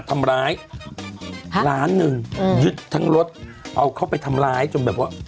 ทำร้ายล้านหนึ่งอืมยึดทั้งรถเอาเข้าไปทำร้ายจนแบบว่า